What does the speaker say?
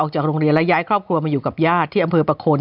จากโรงเรียนและย้ายครอบครัวมาอยู่กับญาติที่อำเภอประโคน